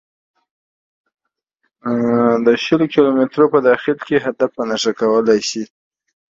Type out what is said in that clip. د شل کیلو مترو په داخل کې هدف په نښه کولای شي